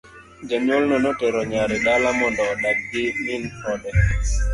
Janyuolno notero nyare dala mondo odag gi min ode.